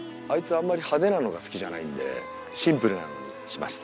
あんまり派手なのが好きじゃないんでシンプルなのにしました。